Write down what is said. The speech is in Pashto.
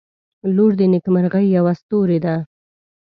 • لور د نیکمرغۍ یوه ستوری ده.